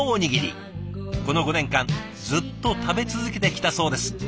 この５年間ずっと食べ続けてきたそうです。